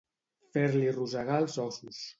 Fer-li rosegar els ossos.